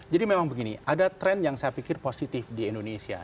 jadi memang begini ada tren yang saya pikir positif di indonesia